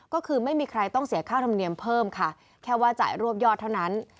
ก็คือไม่มีใครต้องเสียค่าธรรมเนียมเพิ่มค่ะแค่ว่าจ่ายรวบยอดเท่านั้น